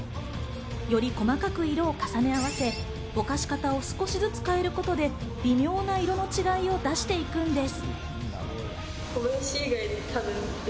より細かく色を重ね合わせ、ぼかし方を少しずつ変えることで微妙な色の違いを出していくんです。